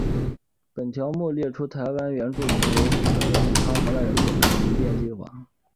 本条目列出以台湾原住民为主的抵抗荷兰人统治的民变行动。